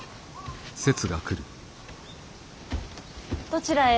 どちらへ。